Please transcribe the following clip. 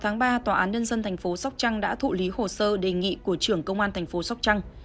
ngày sáu tháng ba tòa án nhân dân tp sóc trăng đã thụ lý hồ sơ đề nghị của trưởng công an tp sóc trăng